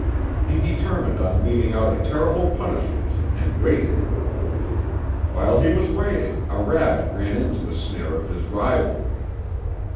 He determined on meting out a terrible punishment, and waited. "While he was waiting a rabbit ran into the snare of his rival.